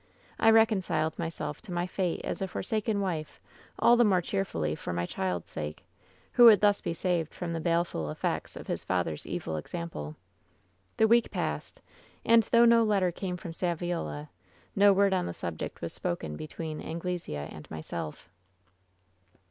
I reconciled myself to my fate as a forsaken wife all the more cheerfully for my child's sake, who would be thus saved from the baleful effects of his father's evil example. "The week passed, and though no letter came from Saviola, no word on the subject was spoken between Anglesea and myself."